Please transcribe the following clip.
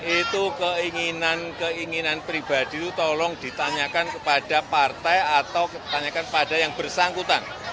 itu keinginan keinginan pribadi itu tolong ditanyakan kepada partai atau ditanyakan pada yang bersangkutan